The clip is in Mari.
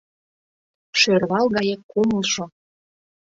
Шӧрвал гае кумылжо!